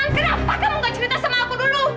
kenapa kamu nggak cerita sama aku dulu